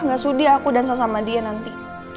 enggak sudi aku dansa sama dia nanti